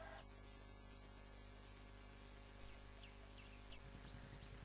สวัสดีครับ